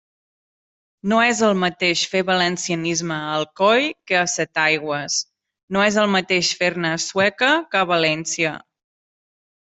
No és el mateix fer valencianisme a Alcoi que a Setaigües, no és el mateix fer-ne a Sueca que a València.